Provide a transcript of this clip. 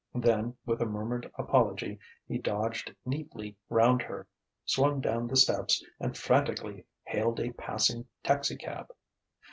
Then, with a murmured apology, he dodged neatly round her, swung down the steps, and frantically hailed a passing taxicab.